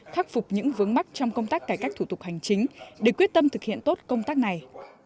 khắc phục những vướng mắt trong công tác cải cách thủ tục hành chính để quyết tâm thực hiện tốt công tác này